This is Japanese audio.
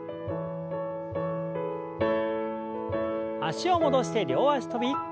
脚を戻して両脚跳び。